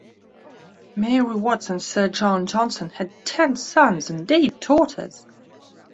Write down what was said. Mary Watts and Sir John Johnson had ten sons and eight daughters.